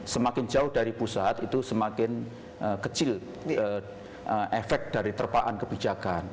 semakin jauh dari pusat itu semakin kecil efek dari terpaan kebijakan